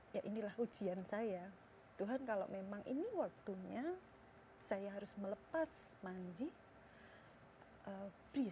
iya demikian saya tuhan kalau memang ini waktunya saya harus melepaskan manji bingung